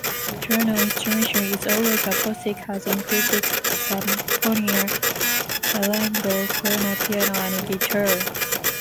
Junaro's instrumentation is always acoustic, and has included zampona, charango, quena, piano and guitar.